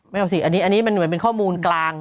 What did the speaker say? สิอันนี้มันเหมือนเป็นข้อมูลกลาง